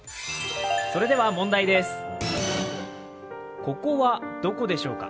それでは問題です。